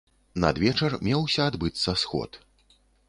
Надвечар меўся адбыцца сход.